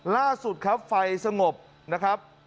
ล่าสุดครับไฟสงบนะครับ